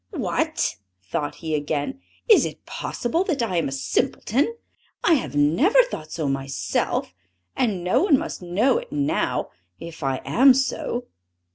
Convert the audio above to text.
"What!" thought he again. "Is it possible that I am a simpleton? I have never thought so myself; and no one must know it now if I am so.